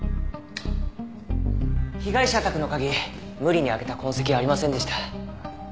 被害者宅の鍵無理に開けた痕跡はありませんでした。